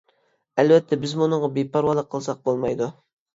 ئەلۋەتتە، بىزمۇ ئۇنىڭغا بىپەرۋالىق قىلساق بولمايدۇ.